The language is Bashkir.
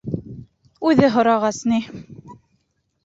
Үҙе һорағас ни...